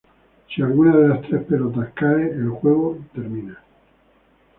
Si alguna de las tres pelotas cae, el juego termina.